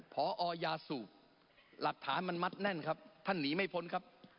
พอยาสูบหลักฐานมันมัดแน่นครับท่านหนีไม่พ้นครับ